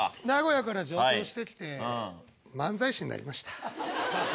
名古屋から上京してきて漫才師になりました。